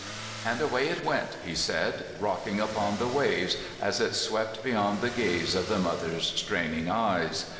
"And away it went," he said, "rocking upon the waves as it swept beyond the gaze of the mother's straining eyes.